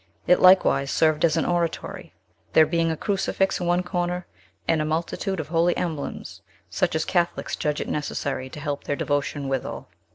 It likewise served as an oratory; there being a crucifix in one corner, and a multitude of holy emblems, such as Catholics judge it necessary to help their devotion withal.